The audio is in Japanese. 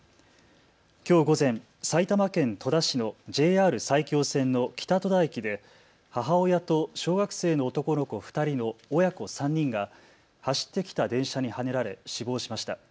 きょう午前、埼玉県戸田市のＪＲ埼京線の北戸田駅で母親と小学生の男の子２人の親子３人が走ってきた電車にはねられ死亡しました。